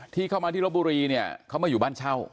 ที่เข้ามาที่ลบบุรีเนี่ยเขามาอยู่บ้านเช่า